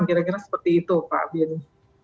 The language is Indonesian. kira kira seperti itu pak beni